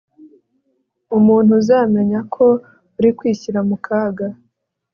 umuntu uzamenye ko uri kwishyira mu kaga